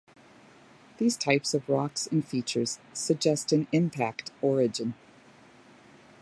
These types of rocks and features suggest an impact origin.